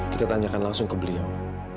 kita tanyakan langsung ke beliau